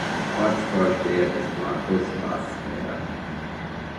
Ortsvorsteher ist Markus Wassmer.